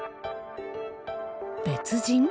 別人？